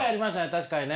確かにね。